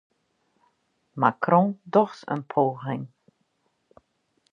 Macron docht in poaging